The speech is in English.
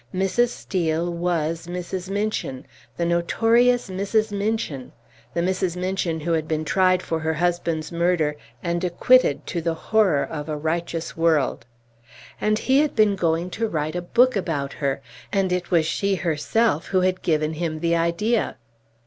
Mrs. Steel was Mrs. Minchin the notorious Mrs. Minchin the Mrs. Minchin who had been tried for her husband's murder, and acquitted to the horror of a righteous world. And he had been going to write a book about her, and it was she herself who had given him the idea!